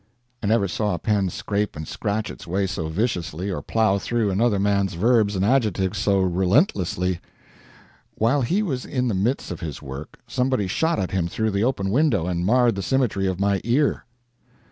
I never saw a pen scrape and scratch its way so viciously, or plow through another man's verbs and adjectives so relentlessly. While he was in the midst of his work, somebody shot at him through the open window, and marred the symmetry of my ear.